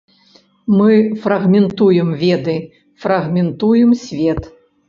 Мы фрагментуем веды, фрагментуем свет.